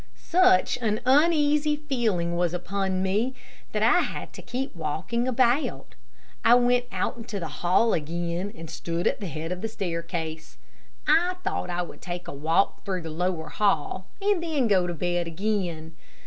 Such an uneasy feeling was upon me that I had to keep walking about. I went out into the hall again and stood at the head of the staircase. I thought I would take a walk through the lower hall, and then go to bed again.